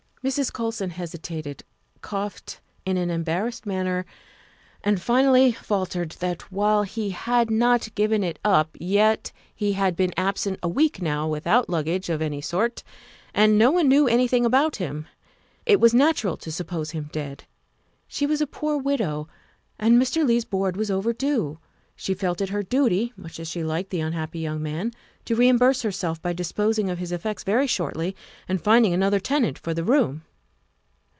'' Mrs. Colson hesitated, coughed in an embarrassed manner, and finally faltered that while he had not given it up, yet he had been absent a week now without lug gage of any sort, and no one knew anything about him. It was natural to suppose him dead. She was a poor widow, and In short, it was the first of the month and Mr. Leigh's board was overdue; she felt it her duty, much as she liked the unhappy young man, to reimburse herself by disposing of his effects very shortly and finding another tenant for the room.